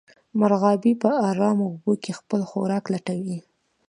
مرغابۍ په ارامو اوبو کې خپل خوراک لټوي